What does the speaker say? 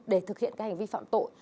để thực hiện các hành vi phạm tội